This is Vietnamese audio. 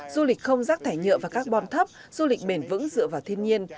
du lịch không rác thải nhựa và carbon thấp du lịch bền vững dựa vào thiên nhiên